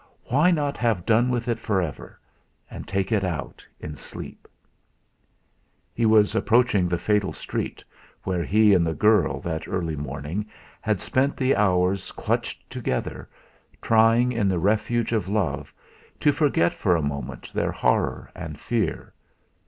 Why not have done with it for ever, and take it out in sleep? He was approaching the fatal street, where he and the girl, that early morning, had spent the hours clutched together, trying in the refuge of love to forget for a moment their horror and fear.